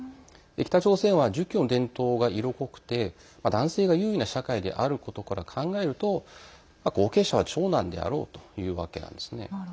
北朝鮮は儒教の伝統が色濃くて男性が優位な社会であることから考えると後継者は長男であろうというわけなんです。